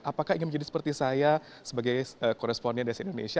apakah ingin menjadi seperti saya sebagai koresponden dari indonesia